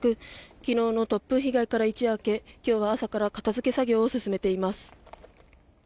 昨日の突風被害から一夜明け今日は朝から片付け作業を進めています。